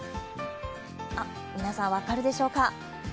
あっ、皆さん分かるでしょうか？